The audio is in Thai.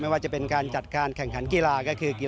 ว่าจะเป็นการจัดการแข่งขันกีฬาก็คือกีฬา